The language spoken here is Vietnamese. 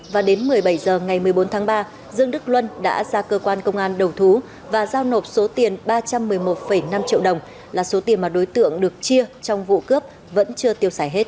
và đến một mươi bảy h ngày một mươi bốn tháng ba dương đức luân đã ra cơ quan công an đầu thú và giao nộp số tiền ba trăm một mươi một năm triệu đồng là số tiền mà đối tượng được chia trong vụ cướp vẫn chưa tiêu xài hết